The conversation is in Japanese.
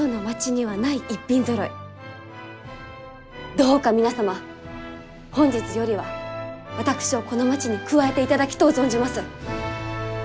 どうか皆様本日よりは私をこの町に加えていただきとう存じます。